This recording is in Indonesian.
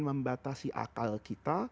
membatasi akal kita